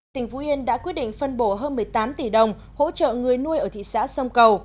tỉnh phú yên đã quyết định phân bổ hơn một mươi tám tỷ đồng hỗ trợ người nuôi ở thị xã sông cầu